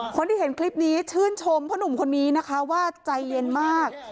คนที่เห็นคลิปนี้ชื่นชมพ่อหนุ่มคนนี้นะคะว่าใจเย็นมาก